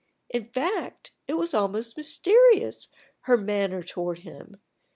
In fact it was almost mysterious, her manner toward him.